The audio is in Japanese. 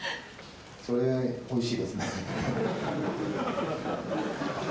それはおいしいですね。